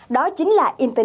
đó chính là internet kết nối